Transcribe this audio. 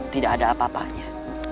tidak ada apa apanya